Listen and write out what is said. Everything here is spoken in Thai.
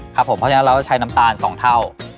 เพราะฉะนั้นเราจะใช้น้ำตาล๒เท่า